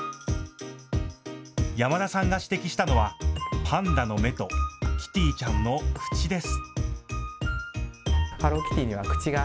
山田さんが指摘したのはパンダの目とキティちゃんの口です。